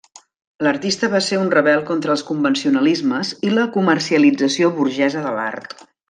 L'artista va ser un rebel contra els convencionalismes i la comercialització burgesa de l'art.